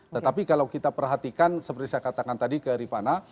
tetapi kalau kita perhatikan seperti saya katakan tadi ke rifana